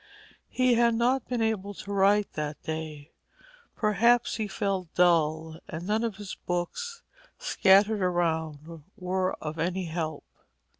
He had not been able to write that day; perhaps he felt dull, and none of his books, scattered around, were of any help.